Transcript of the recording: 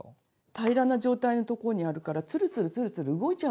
平らな状態のところにあるからツルツルツルツル動いちゃうんですよ